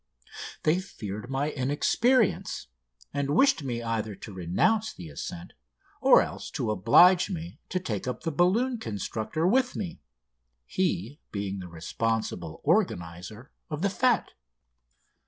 They feared my inexperience, and wished me either to renounce the ascent or else to oblige me to take up the balloon constructor with me, he being the responsible organiser of the fête.